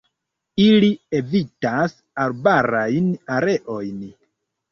Ili evitas arbarajn areojn.